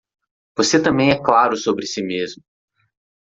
Você também é claro sobre si mesmo